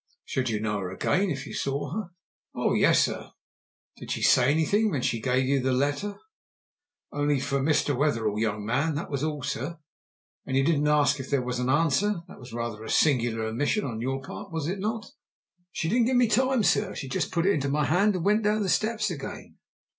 "Should you know her again if you saw her?" "Oh yes, sir." "Did she say anything when she gave you the letter?" "Only, 'For Mr. Wetherell, young man.' That was all, sir." "And you didn't ask if there was an answer? That was rather a singular omission on your part, was it not?" "She didn't give me time, sir. She just put it into my hand and went down the steps again."